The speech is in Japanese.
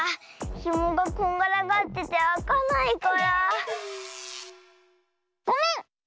ひもがこんがらがっててあかないからごめん！